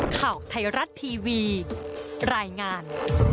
ข่าวไทยรัฐทีวีรายงาน